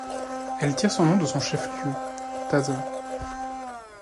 Elle tire son nom de son chef-lieu, Taza.